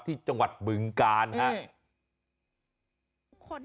ที่จังหวัดบึงกาล